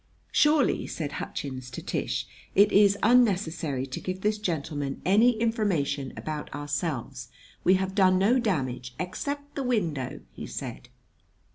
"Surely," said Hutchins to Tish, "it is unnecessary to give this gentleman any information about ourselves! We have done no damage " "Except the window," he said.